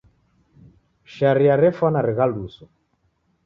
Sharia refwana righaluso.